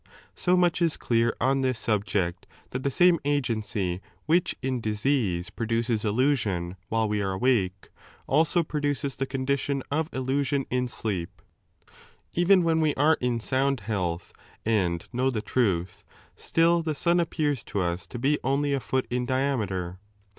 So much is clear on this subject that the same agency which in disease produces illusion while we are awake, also produces the condi tion of illusion in sleep. Even when we are in sound health and know the truth, still the sun appears to us to be only a foot in diameter.